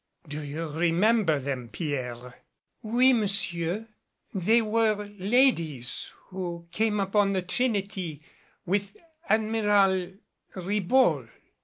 "Do you remember them, Pierre?" "Oui, monsieur they were ladies who came upon the Trinity with Admiral Ribault.